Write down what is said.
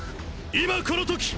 今この時！！